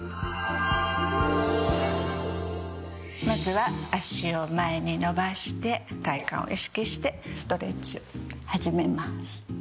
まずは足を前に伸ばして体幹を意識してストレッチを始めます。